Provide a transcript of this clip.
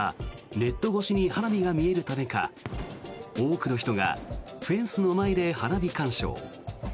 ネット越しに花火が見えるためか多くの人がフェンスの前で花火観賞。